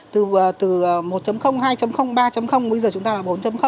từ một hai ba bây giờ chúng ta là bốn